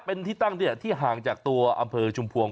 เป็นที่ตั้งที่ห่างจากตัวอำเภอชุมพวง